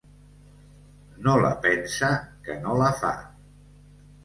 No la pensa que no la fa.